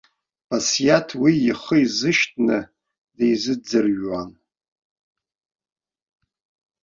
Басиаҭ уи ихы изышьҭны дизыӡырҩуан.